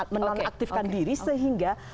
menonaktifkan diri sehingga